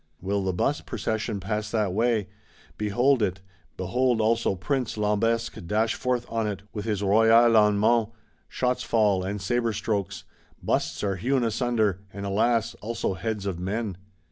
Will the Bust Procession pass that way! Behold it; behold also Prince Lambesc dash forth on it, with his Royal Allemands! Shots fall, and sabre strokes; Busts are hewn asunder; and, alas, also heads of men.